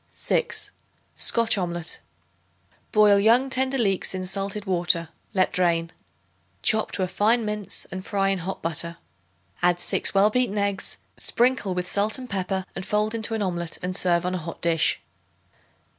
6. Scotch Omelet. Boil young tender leeks in salted water; let drain. Chop to a fine mince and fry in hot butter. Add 6 well beaten eggs, sprinkle with salt and pepper and fold into an omelet and serve on a hot dish.